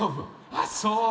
ああそう。